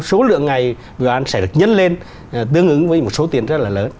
số lượng ngày oan sẽ được nhân lên tương ứng với một số tiền rất là lớn